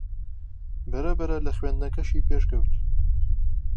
بەرەبەرە لە خوێندنەکەشی پێشکەوت